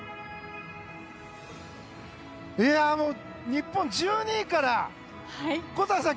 日本、１２位から小谷さん